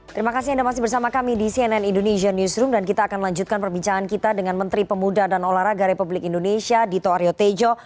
terima kasih anda masih bersama kami di cnn indonesia newsroom dan kita akan lanjutkan perbincangan kita dengan menteri pemuda dan olahraga republik indonesia dito aryo tejo